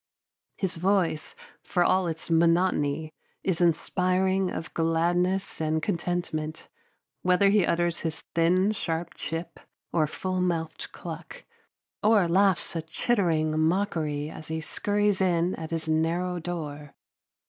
His voice, for all its monotony, is inspiring of gladness and contentment, whether he utters his thin, sharp chip or full mouthed cluck, or laughs a chittering mockery as he scurries in at his narrow door.